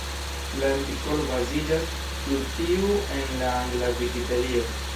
La artikolo baziĝas sur tiu en la angla Vikipedio.